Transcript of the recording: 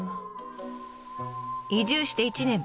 移住して１年。